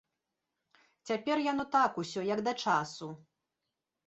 Цяпер яно так усё як да часу.